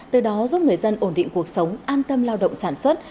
từ đó giúp người dân ổn định cuộc sống an tâm lao động sản xuất